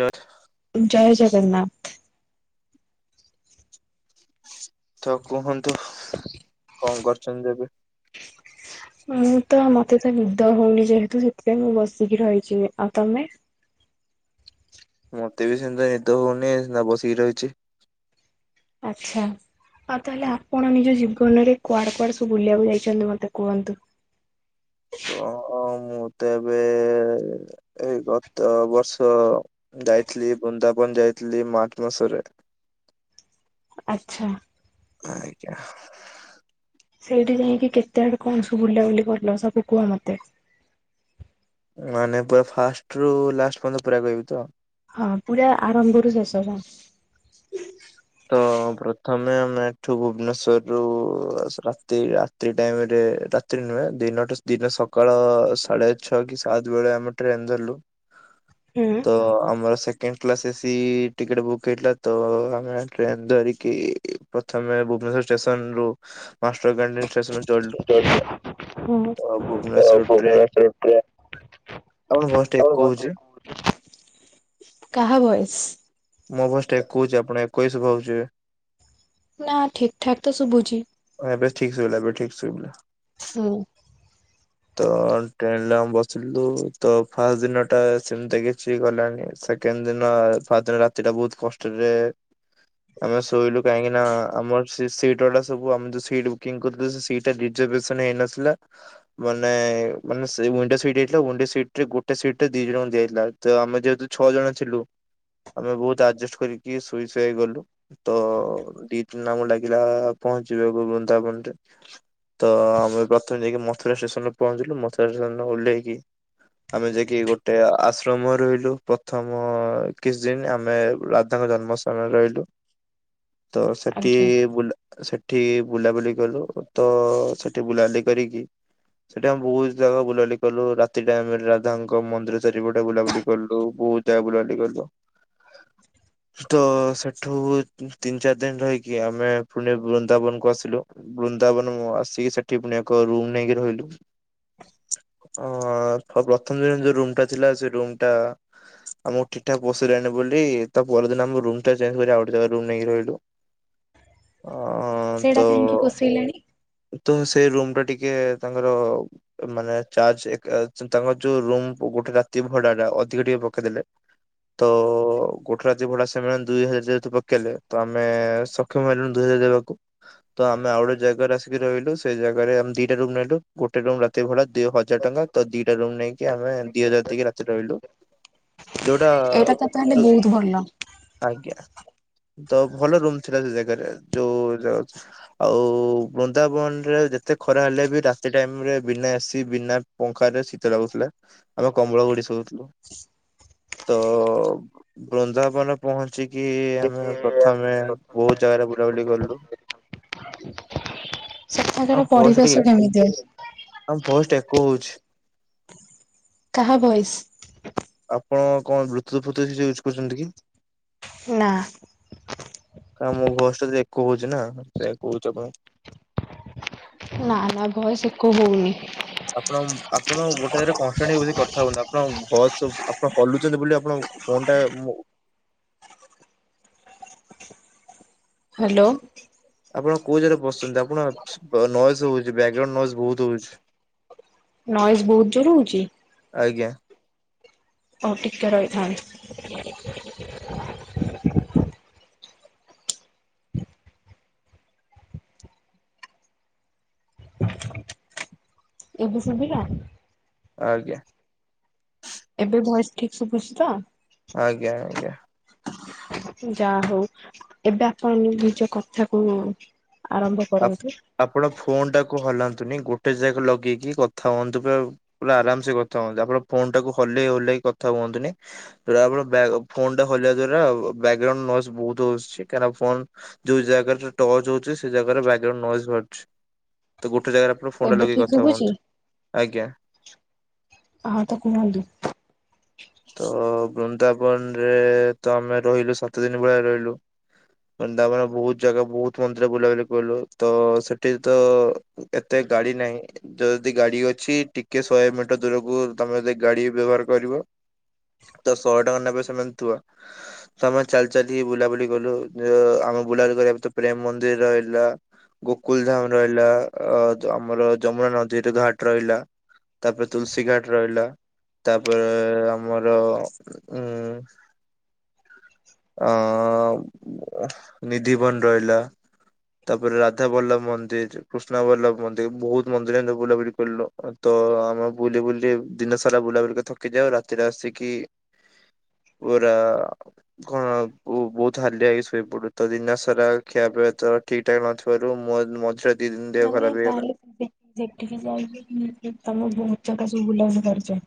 ଜୟ। ନାଥ। ତ କୁହନ୍ତୁ କଣ କରୁଛନ୍ତି ଏବେ? ମୁଁ ତ ମତେ ତ ନିଦ ହଉନି ଯେହେତୁ ସେଥିପାଇଁ ମୁଁ ବସିକି ରହିଛି ଆଉ ତମେ? ମତେ ବି ସେମତିଆ ନିଦ ହଉନି ସେନା ବସିକି ରହିଛି। ଆଚ୍ଛା। ଆଉ ତାହେଲେ ଆପଣ ନିଜ ଜୀବନରେ କୁଆଡେ କୁଆଡେ ସବୁ ବୁଲିବାକୁ ଯାଇଛନ୍ତି ମତେ କୁହନ୍ତୁ। ତ ମୁଁ ତ ଏବେ ଏଇ ଗତ ବର୍ଷ ଯାଇଥିଲି ବୃନ୍ଦାବନ। ଯାଇଥିଲି ମାର୍ଚ୍ଚ ମାସ ରେ। ଆଚ୍ଛା। ଆଜ୍ଞା। ସେଇଠି ଯାଇକି କେତେ ଆଡେ କଣ ସବୁ ବୁଲାବୁଲି କଲ ସବୁ କୁହ ମତେ। ମାନେ ପୁରା ଫାଷ୍ଟ ରୁ ଲାଷ୍ଟ ପର୍ଯ୍ୟନ୍ତ ପୁରା କହିବି ତ। ହଁ ପୁରା ଆରମ୍ଭରୁ ଶେଷ ଯାଏଁ। ତ ପ୍ରଥମେ ଆମେ ଏଠୁ ଭୁବନେଶ୍ୱର ରୁ ରାତି ରାତିି ଟାଇମରେ। ରାତିି ନୁହେଁ ଦିନ ଟା ଦିନ ସକାଳ ସାଢେ ଛଅ କି ସାତ ବେଳେ ଆମେ ଟ୍ରେନ ଧରିଲୁ। ତ ଆମର second class A C ticket book ହେଇଥିଲା ତ ଆମେ ଟ୍ରେନ ଧରିକି ପ୍ରଥମେ ଭୁବନେଶ୍ୱର ଷ୍ଟେସନ ରୁ ମାଷ୍ଟର କ୍ୟାଣ୍ଟିନ ଷ୍ଟେସନ ତ ସେଠି। ଭୁବନେଶ୍ୱର ଟ୍ରେନ [unintelligible] ଆପଣ ଭଏସ ଟା ଇକୋ ହଉଛି। କାହା ଭଏସ? ମୋ ଭଏସ ଟା ଇକୋ ହଉଛି ଆପଣ ଏକୋଇ ଶୁଭା ହଉଚି। ନା ଠିକ୍ ଠାକ୍ ତ ଶୁଭୁଛି। ଏବେ ଠିକ ଶୁଭିଲା ଏବେ ଠିକ ଶୁଭିଲା। ହୁଁ। ତ ଟ୍ରେନରେ ଆମେ ବସିଲୁ ତ ଫାର୍ଷ୍ଟ ଦିନ ଟା ସେମିତି କିଛି ଗଲାନି ସେ କେଣ୍ଡ ଦିନ ଫାର ଦିନ ରାତି ଟା ବହୁତ କଷ୍ଟରେ। ଆମେ ଶୋଇଲୁ କାହିଁକି ନା ଆମ ସେ ସିଟ୍ ଟା ସବୁ ଆମେ ଯଉ ସିଟ୍ ବୁକିଂ କରିଥିଲୁ ସେ ସିଟ୍ ଟା ରିଜ ରିଜର୍ଭେଶନ ହେଇନଥିଲା ମାନେ ମାନେ ସେଇ ୱିଣ୍ଡୋ ସିଟ୍ ହେଇଥିଲା ୱିଣ୍ଡୋ ସିଟ୍ ରେ ଗୋଟେ ରେ ଦି ଦି ଜଣଙ୍କୁ ଦିଆଯାଇଥିଲା ତ ଆମେ ଯେହେତୁ ଛଅ ଜଣ ଥିଲୁ। ଆମେ ବହୁତ ଆଡଜଷ୍ଟ କରିକି ଶୋଇ ଶଇ ଗଲୁ ତ ଦି ତିନି ଆମକୁ ଲାଗିଲା ପହଞ୍ଚି ଯିବାକୁ ବୃନ୍ଦାବନ ରେ। ତ ଆମେ ପ୍ରଥମେ ଯାଇକି ମଥୁରା ଷ୍ଟେସନ ରେ ପହଞ୍ଚିଲୁ ମଥୁରା ଷ୍ଟେସନରେ ଓହ୍ଲେଇକି ଆମେ ଯାଇକି ଗୋଟେ ଆ-ଆଶ୍ରମ ରହିଲୁ ପ୍ରଥମ କି ଦିନ ଆମେ ରାଧାଙ୍କ ଜନ୍ମ ସ୍ଥାନରେ ରହିଲୁ। ତ ସେଠି ଆଜ୍ଞା। ବୁଲା ସେ ସେଠି ବୁଲାବୁଲି କଲୁ ତ ସେଠି ବୁଲାବୁଲି କରିକି। ସେଟା ଆମେ ବହୁତ ଜାଗା ବୁଲାବୁଲି କଲୁ ରାତି ଟାଇମରେ ରାଧାଙ୍କ ମନ୍ଦିର ଚାରିପଟେ ବୁଲାବୁଲି କଲୁ। [unintelligible] ତ ସେଠୁ ତିନି ଚାରି ଦିନ ରହିକି ଆମେ ପୁଣି ବୃନ୍ଦାବନକୁ ଆସିଲୁ। ବୃନ୍ଦାବନ ମୁଁ ଆସିକି ସେଠି ପୁଣି ଏକ ରୁମ ନେଇକି ରହିଲୁ। ଅ ପ୍ରଥମ ଦିନ ଯୋଉ ରୁମ ଟା ଥିଲା ସେ ରୁମ ଟା ଆମକୁ ଠିକ ଠା ପସିଲାଣି ବୋଲି ତା ପରଦିନ ଆମ ରୁମ୍ ଟା ଚେଞ୍ଜ ଆଉ ଗୋଟେ ରୁମ୍ ନେଇକି ରହିଲୁ। ହଁ ତ ସେଇଟା କାହିଁକି ପୋଷେଇଲାଣି? ତ ସେଇ ରୁମ ଟା ଟିକେ ତାଙ୍କର ମାନେ ଚାର୍ଜ ତାଙ୍କର ଯୋଉ ରୁମ ଗେ ଗୋଟେ ରାତି ଭଡା ଅଧିକ ଟିକେ ପକେଇଦେଲେ। ତ ଗୋଟେ ରାତି ଭଡା ସେମାନେ ଦୁଇ ହଜାର ଯେହେତୁ ପକେଇଲେ ତ ଆମେ ସକ୍ଷମ ହେଲୁଣି ଦୁଇ ହଜାର ତ ଆମେ ଆଉ ଗୋଟେ ଜାଗାରେ ଆସିକି ରହିଲୁ ସେଇ ଜାଗାରେ ଦିଟା ରୁମ ନେଲୁ ଗୋଟେ ରୁମ ରାତି ଭ ହଜାର ଟଙ୍କା ତ ଦିଟା ରୁମ ନେଇକି ଆମେ ଦି ହଜାର ଦେଇକି ରାତି ରହିଲୁ ଯୋଉଟା ଏଇଟା ତ ତାହେଲେ ଯୋଉ ବହୁତ ଭଲ। ଆଜ୍ଞା। ତ ଭଲ ରୁମ ଥିଲା ସେ ଜାଗାରେ। ଯୋଉ ଜାଗା ଆଉ ବୃନ୍ଦାବନରେ ଯେତେ ଖରା ହେଲେ ବି ରାତି ଟାଇମ୍ ରେ ବିନା ଏସିି ବିନା ପଙ୍ଖାରେ ଶୀତ ଲାଗୁଥିଲା। ଆମେ କମ୍ବଳ ଗ କ ଶୋଉଥିଲୁ। [inaudible] ତ ବୃନ୍ଦାବନ ପହଞ୍ଚିକି ଆମେ ପ୍ରଥମେ ବହୁତ ଜାଗାରେ ବୁଲାବୁଲି କଲୁ। [inaudible] ଆମ ତାଙ୍କର ପରିବେଶ କେମିତି? ଫୋଷ୍ଟ ଏକ ହଉଛି। କାହା ଭଏସ୍? ଆପଣ କଣ ବ୍ଲୁଥୁଟୁତୁ ୟୁଜ୍ କରୁଛନ୍ତି କି? ନା। କ ମୋ ଘୋଷ ଟା ଏକ ହଉଛି ନା ସେ ହଉଛି ଆପଣ। ନା ନା ଭଏସ୍ ଇକୋ ହଉନି। ଆପଣ ଆପଣ ଗୋଟେ ଜାଗାରେ କନଷ୍ଟାଣ୍ଟ ବସିକି କଥା ହୁଅନ୍ତୁ। ଆପଣ ବସ୍ ଆପଣ ହଲୁଛନ୍ତି ବୋଲି ଆପଣ ଫୋନ ଟା ହ୍ୟାଲୋ। ଆପଣ କୋଉ ଜାଗାରେ ବସୁଛନ୍ତି ଆପଣ ନଏଜ୍ ହଉଛି। ବ୍ୟାକଗ୍ରାଉଣ୍ଡ୍ ନଏଜ୍ ବହୁତ ହଉଛି। ନଏଜ୍ ବହୁତ ଜୋର୍ ରେ ହଉଛି? ଆଜ୍ଞା ହୋଉ ଟିକେ ରହିଥାଆନ୍ତୁ। ଏବେ ସୁଭିଲା? ଆଜ୍ଞା। ଏବେ ଭୟସ୍ ଠିକ୍ ଶୁଭୁଛି ତ? ଆଜ୍ଞା ଆଜ୍ଞା। ଯା ହଉ ଏବେ ଆପଣ ନିଜ କଥାକୁ ଆରମ୍ଭ ଆ କରନ୍ତୁ। ଆପଣ ଫୋନ୍ ଟାକୁ ହଲାନ ନ୍ତୁନି ଗୋଟେ ଜାଗା ଲଗେଇକି କଥା ହୁଅନ୍ତୁ ପୁର ପୁରା ଆରାମ୍ସେ କଥା ହୁଅନ୍ତୁ। ଆପଣ ଫୋନ୍ ଟାକୁ ହଲେଇ ହଲେଇ କଥା ହୁଅନ୍ତୁନି [unintelligible] ବ୍ୟାଗ୍ ଫୋନ୍ ଟା ହଲେଇବା ଦ୍ଵାରା ବ୍ୟାକଗ୍ରାଉଣ୍ଡ ନଏଜ୍ ବହୁତ ହଉଛି। ହେରା ଫୋନ୍ ଯୋଉ ଜାଗାରେ ସେ ଟଚ୍ ହଉଛି ସେ ଜାଗାରେ ବ୍ୟାଗଗ୍ରାଉଣ୍ଡ୍ ନଏଜ୍ ବାହାରୁଛି। ଗୋଟେ ଜାଗାରେ ଆପଣ ଫୋନ୍ ଟା ଏବେ ଲଗେଇକି ଠିକ କଥା ଶୁଭୁଛି? ହୁଅନ୍ତୁ। ଆଜ୍ଞା। ହଁ ତ କୁହନ୍ତୁ। ତ ବୃନ୍ଦାବନ ରେ ତ ଆମେ ରହିଲୁ ସାତ ଦିନ ଭଳିଆ ରହିଲୁ। ତା ମାନେ ବହୁତ ଜାଗା ବହୁତ ମନ୍ଦିର ବୁଲାବୁଲି କରିଲୁ। ତ ସେଠି ତ ଏତେ ଗାଡି ନାହିଁ ଯଦି ଗାଡି ଅଛି ଟିକେ ଶହେ ମିଟର ଦୂରକୁ ତମେ ଯ ଗାଡି ବ୍ୟବହାର କରିବ। [inaudible] ତ ଶହେ ଟଙ୍କା ନେବେ ସେମାନେ ଥୁ ତ ଆମେ ଚାଲି ଚାଲି ବୁଲାବୁଲି କଲୁ। ଆମ ବୁଲାଲି ପ୍ରେମ୍ ମନ୍ଦିର୍ ହେଲା। ଗୋକୁଲ ଧାମ୍ ରହିଲା। ଆମର ଯମୁନା ନଦୀ ଘାଟ୍ ରହିଲା। ତାପରେ ତୁଳସୀ ଘାଟ୍ ରହିଲା। ତାପରେ ଆମର ଉଁ ଆ ନିଧିବନ୍ ରହିଲା। ତାପରେ ରାଧା ବଲ୍ଲଭ ମନ୍ଦିର୍ କୃଷ୍ଣ ବଲ୍ଲଭ ମନ୍ଦିର୍ ବହୁତ ମନ୍ଦିର ଏମ ବୁଲାବୁଲି କରିଲୁ। ତ ତ ଆମେ ବୁଲି ବୁଲି ଦିନ ସାରା ବୁଲା ବୁଲିି କରିକି ଥକି ଯାଉ। ରାତିରେ ଆସିକି ପୁରା କଣ ବହୁତ ହାଲିଆଇ ହେଇକି ଶୋଇପଡୁ। ତ ଦିନ ସାରା ଖିଆ ପିଇବା ତ ଠିକ୍ ଠାକ୍ ନଥିବାରୁ ମଝିରେ ଦି ଦିନ ଦେହ ମାନେ ଖରାପ ହେଇଗଲା। ତାହେଲେ ସେଠିକି ଯାଇକି ତମ ବହୁ ଛା ସ ବୁଲାବୁଲି କରଛ।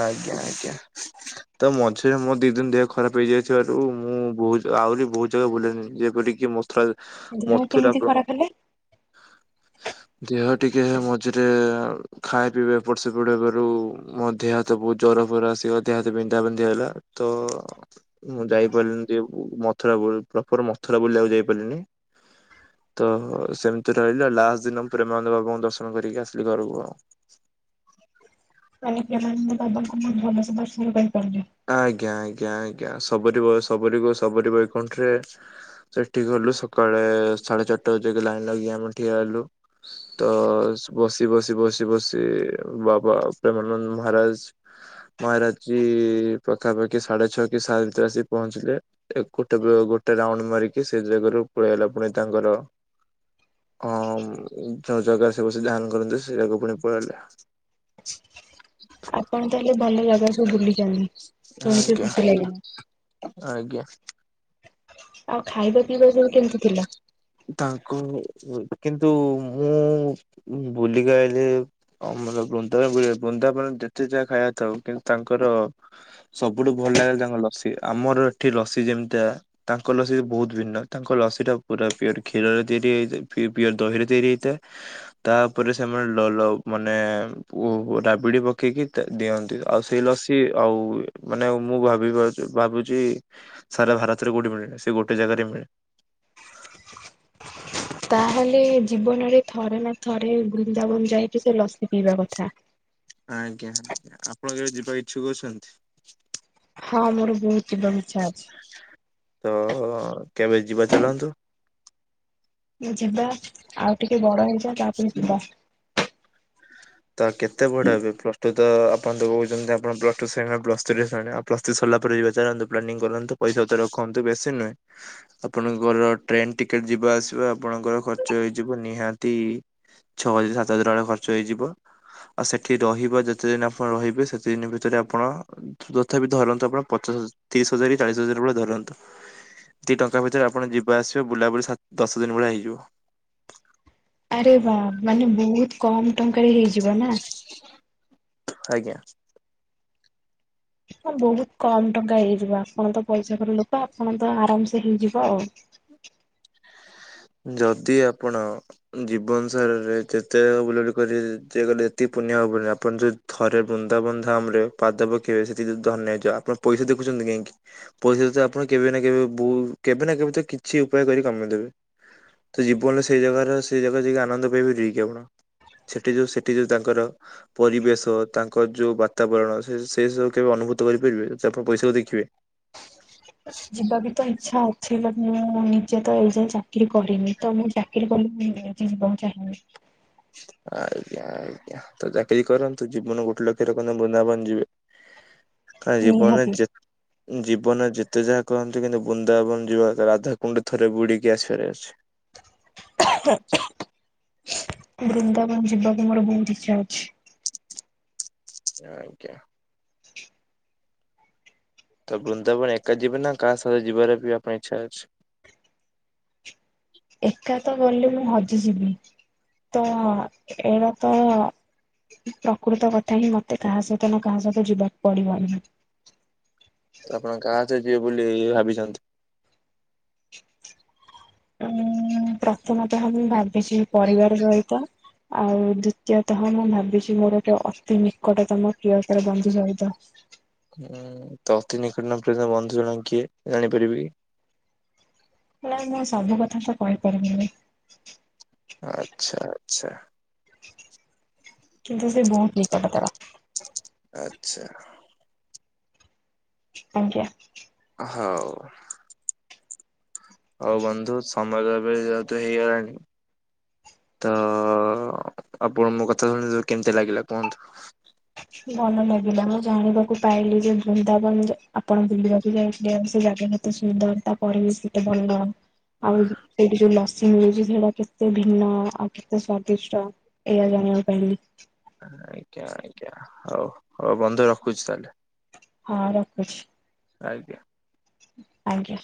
ଆଜ୍ଞା ଆଜ୍ଞା। ତ ମଝିରେ ମୋ ଦି ଦିନ୍ ଦେହ ଖରାପ ହେଇଯାଇଥିବାରୁ ମୁଁ ବହୁତ ଆହୁରି ବହୁତ ଜାଗା ବୁଲି ଯେପର କି ଦେହ ମଥୁରା କେମିତି ଖରାପ ହେଲେ? [unintelligible] ଦେହ ଟିକେ ମଝିରେ ଖାଇବା ପିଇବା ଏପଟ ସେପଟ ହେବାରୁ ଦେହ ହାତ ବହୁତ୍ ଜର ଫର ଆସିବ ଦେହ ହାତ ବିନ୍ଧା ବିନ୍ଧି ହେଲା ତ ମୁଁ ଯାଇପାରିଲିନି। ମଥୁରା ବୁ ପ୍ରପର ମଥୁରା ବୁଲିବାକୁ ଯାଇପାରିଲିନି। ତ ସେମିତି ରହିଲି ଆଉ ଲାଷ୍ଟ ଦିନ ମୁଁ ପରେମାନନ୍ଦ ବାବା ଙ୍କୁ ଦର୍ଶନ କରିକି ଆସିଲି ଘରକୁ ଆଉ। [unintelligible] [unintelligible] ପ୍ରେମାନନ୍ଦ ବାବାଙ୍କୁ ବହୁତ୍ ଭଲ ସେ ଦର୍ଶନ କରିପାରିଲେ। ଆଜ୍ଞା ଆଜ୍ଞା ଆଜ୍ଞା ସବରୀ ସବରୀ ସବରୀ ବୈକୁଣ୍ଠରେ ସେଠି [unintelligible] ସକାଳେ ସାଢେ଼ ଚାରିଟା [unintelligible] ଲାଇନି ଲଗେଇ ଆମେ ଠିଆ ହେଲୁ ତ ବସି ବସି ବସି ବସି ବାବା ପ୍ରେମାନନ୍ଦ ମହାରାଜ୍ ମହାରାଜ୍ ଜୀ ପାଖାପାଖି ସାଢେ ଛଅ କି ସାତେ ରେ ଆସି ପହଞ୍ଚିଲେ ଗୋଟେ ଗୋଟେ ରାଉଣ୍ଡ ମାରିକି ସେଇ ଜାଗାରୁ ପଲେଇ ଆଇଲା ଫୁଣି ତାଙ୍କର ହଁ ଯୋଉ ଜାଗା ସେ ବସି ଧ୍ୟାନ୍ କରନ୍ତି ସେ ଜାଗା ପୁଣି ପଲେଇଆସିଲେ। [inaudible] ଆପଣ ତାହେଲେ ଭଲ ଜାଗା ସବୁ ବୁଲିଚନ୍ତି। ଆଜ୍ଞା ଆଜ୍ଞା ଆଜ୍ଞା। ଆଉ ଖାଇବା ପିଇବା ସବୁ କେମିତି ଥିଲା? ତାଙ୍କୁ କିନ୍ତୁ ମୁଁ ବୁଲିକି ଆଇଲି [unintelligible] ଯେତେ ଯାହା ଖାଇବାକୁ ଥାଉ କିନ୍ତୁ ତାଙ୍କର ସବୁଠୁ ଭଲ ଲାଗେ ତାଙ୍କ ଲସି ଆମର ଏଠି ଲସି ଯେମିତିଆ ତାଙ୍କ ଲସି ବହୁତ୍ ଭିନ୍ନ ତାଙ୍କ ଲସି ଟା ପୁରା ପିଓର କ୍ଷୀରରେ ତିଆରି ହେଇଥାଏ ପିଓର ଦହି ରେ ତିଆରି ହେଇଥାଏ ତାପରେ ସେମାନେ ଲ ଲ ମାନେ [unintelligible] ରାବିଡି଼ ପକେଇକି ଦିଅନ୍ତି ଆଉ ସେଇ ଲସି ଆଉ ମାନେ ମୁଁ ଭାବେ [unintelligible] ଭାବୁଛି ସାରା ଭାରତରେ କୋଉଠି ମିଳେନି ସେ ଗୋଟେ ଜାଗାରେ ମିଳେ। [unintelligible] ତାହେଲେ ଜୀବନରେ ଥରେ ନା ଥରେ ବୃନ୍ଦାବନ ଯାଇକି ସେ ଲସି ପିଇବା କଥା। ଆଜ୍ଞା ଆପଣ କେବେ ଯିବାକୁ ଇଚ୍ଛୁକ ଅଛନ୍ତି? ହଁ ମୋର ବହୁତ୍ ତ କେବେ ଯିବା ଚାଲନ୍ତୁ। ଯିବା ଆଉ ଟିକେ ବଡ଼ ହେଇଯାଅ ତାପରେ ଯିବା। ତ କେତ ବଡ଼ ହେବେ ପ୍ଲସ ଟୁ ତ ଆପଣ ତ କହୁଛନ୍ତି ଆପଣ ପ୍ଲସ୍ ଟୁ ପ୍ଲସ ଥ୍ରୀ [unintelligible] ଗଲା ପରେ ଯିବା ଚାଲନ୍ତୁ ପ୍ଲାନିଂ କରନ୍ତୁ ପଇସା ପତ୍ର ରଖନ୍ତୁ ବେଶୀ ନୁହେଁ ଆପଣଙ୍କର ଟ୍ରେନ ଟିକେଟ୍ ଯିବା ଆସିବା ଆପଣଙ୍କର ଖର୍ଚ୍ଚ ହେଇଯିବ ନିହାତି ଛଅ ହଜାର ସାତ ହଜାର [unintelligible] ଖର୍ଚ୍ଚ ହେଇଯିବ। ହଁ ଆଉ ସେଠି ରହିବ ଯେତେ ଦିନ୍ ଆପଣ ରହିବେ ସେତେ ଦିନ୍ ଭିତରେ ଆପଣ ତଥାପି ଧରନ୍ତୁ ଆପଣ ପଚାଶ ତିରିଶି ହଜାର କି ଚାଳିଶି ହଜାର ଭଲିଆ ଧରନ୍ତୁ। ଏତିକି ଟଙ୍କା ଭିତରେ ଆପଣ ଯିବା ଆସିବେ ବୁଲାବୁଲି ଦଶ ଦିନ୍ ଭଳିଆ ହେଇଯିବ। ଆରେ ବା ମାନେ ବହୁତ୍ କମ ଟଙ୍କାରେ ହେଇଯିବ ନା? ଆଜ୍ଞା। ହଁ ବହୁତ୍ କମ ଟଙ୍କା ହେଇଯିବ ଆପଣ ତ ପଇସା ଘର ଲୋକ ଆପଣ ତ ଆରାମସେ ହେଇଯିବ ଆଉ। [inaudible] ଯଦି ଆପଣ ଜୀବନ ସାରରେ ଯେତେ ବୁଲାବୁଲି କରି [unintelligible] ପୁଣ୍ୟ ହବନି ଆପଣ ଯଦି ଥରେ ବୃନ୍ଦାବନ ଧାମ୍ ରେ ପାଦ ପକେଇବେ [unintelligible] ଧନ୍ୟ ହେଇଯିବ ଆପଣ ପଇସା ଦେଖୁଛନ୍ତି। କାହିଁକି ପଇସା ପତ୍ର ଆପଣ କେବେ ନା କେବେ ନା କେବେ ତ କିଛି ଉପାୟ କରି କମେଇଦେବେ। ତ ଜୀବନରେ ସେଇ ଜାଗାର ସେଇ ଜାଗା ଯାଇକି ଆନନ୍ଦ ପାଇ ପାରିବେ କି ଆପଣ? ସେଠି ଯୋଉ ସେଠି ଯୋଉ ତାଙ୍କର ପରିବେଶ ତାଙ୍କର ଯୋଉ ବାତାବରଣ ସେ ସବୁ କେବେ ଅନୁ [unintelligible] କରିପାରିବେ ସିଏ ଆପଣଙ୍କ ପଇସାକୁ ଦେଖିବେ। ଯିବା ବି ତ ଇଚ୍ଛା ଅଛି [unintelligible] ମୁଁ ନିଜେ ତ ଏ ଯାଏ ଚାକିରୀ କରିନି ତ ମୁଁ ଚାକିରୀ [unintelligible] ଯିବାକୁ ଚାହେଁନି। ଆଜ୍ଞା ଆଜ୍ଞା ତ ଚାକିରୀ କରନ୍ତୁ ଜୀବନ ଗୋଟେ ଲକ୍ଷ୍ୟ ରଖନ୍ତୁ ବୃନ୍ଦାବନ ଯିବି। ତା ଜୀବନ ନିହାତି। ଯେ ଜୀବନ ଯେତେ ଯାହା କହନ୍ତି କିନ୍ତୁ ବୃନ୍ଦାବନ ଯିବ ରା-ରାଧାକୁଣ୍ଡ ଥରେ ବୁଡିକି ଆସିବାର ଅଛି [inaudible] ବୃନ୍ଦାବନ ଯିବାକୁ ମୋର ବହୁତ ଇଚ୍ଛା ଅଛି। ଆଜ୍ଞା। ତ ବୃନ୍ଦାବନ ଏକା ଯିବେ ନା କାହା ସହ ଯିବାର ବି ଆପଣ ଇଚ୍ଛା ଅଛି? [inaudible] ଏକା ତ ଗଲେ ମୁଁ ହଜିଯିବି ତ ଏଇଟା ତ। ପ୍ରକୃତ କଥା ହିଁ ମତେ କାହା ସହିତ ନା କାହା ସହିତ ଯିବାକୁ ପଡିବ ହିଁ। ତ ଆପଣ କାହା ସହ ଯିବେ ବୋଲି ଭାବିଛନ୍ତି? ଉଁ ପ୍ରଥମତଃ ମୁଁ ଭାବିଛି ପରିବାର ସହିତ। ଆଉ ଦ୍ଵିତୀୟତଃ ମୁଁ ଭାବିଛି ମୋର ଗୋଟେ ଅତି ନିକଟତମ ପ୍ରିୟତର ବନ୍ଧୁ ସହିତ। ହୁଁ ତ ଅତି ନିକଟତମ ପ୍ରିୟତର ବନ୍ଧୁ ଜଣକ କିଏ ଜାଣିପାରିବି କି? ନାଇ ମୁଁ ସବୁ କଥା ତ କହିପାରିବିନି। ଆଚ୍ଛା ଆଚ୍ଛା। କିନ୍ତୁ ସେ ବହୁତ୍ ନିକଟତର। ଆଚ୍ଛା। ଆଜ୍ଞା। ହଉ। ହଉ ବନ୍ଧୁ ସମୟ ଏବେ ଯେହେତୁ ହେଇଗଲାଣି। ତ ଆପଣ ମୋ କଥା ଶୁଣି କେମିତିଆ ଲାଗିଲା କୁହନ୍ତୁ? ଭଲ ଲାଗିଲା ମୁଁ ଜାଣିବାକୁ ପାଇଲି ଯେ ବୃନ୍ଦାବନ ଆପଣ ବୁଲିବାକୁ ଯାଇଥିଲେ ଆଉ ସେ ଜାଗା ଏତେ ସୁନ୍ଦର ତାପରେ ବି ସେତେ ଭଲ ଆଉ ସେଇଠି ଯୋଉ ଲ ସି ମିଳୁଚି ସେଇଟା କେତେ ଭିନ୍ନ ଆଉ କେତେ ସ୍ଵାଦିଷ୍ଟ ଏଇଆ ଜାଣିବାକୁ ପାଇଲି। ଆଜ୍ଞା ଆଜ୍ଞା ହଉ ହଉ ବନ୍ଧୁ ରଖୁଛି ତାହେଲେ। ହଁ ରଖୁଛି। ଆଜ୍ଞା। ଆଜ୍ଞା।